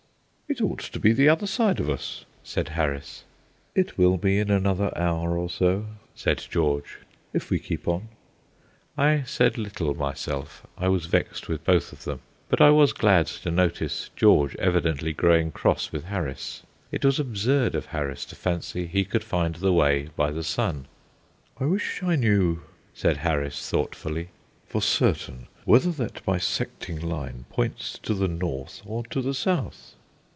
"It ought to be the other side of us," said Harris. "It will be in another hour or so," said George, "if we keep on." I said little myself; I was vexed with both of them; but I was glad to notice George evidently growing cross with Harris. It was absurd of Harris to fancy he could find the way by the sun. "I wish I knew," said Harris, thoughtfully, "for certain whether that bisecting line points to the north or to the south."